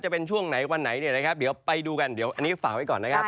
จะเป็นช่วงไหนวันไหนเดี๋ยวไปดูกันอันนี้ฝากไว้ก่อนนะครับ